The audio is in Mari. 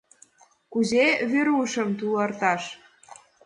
Кузе Верушым туларташ?